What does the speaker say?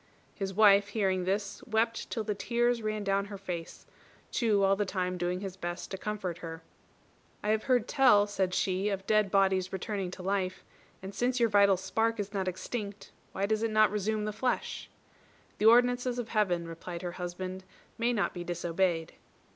His wife, hearing this, wept till the tears ran down her face, Chu all the time doing his best to comfort her. "I have heard tell," said she, "of dead bodies returning to life; and since your vital spark is not extinct, why does it not resume the flesh?" "The ordinances of Heaven," replied her husband, "may not be disobeyed."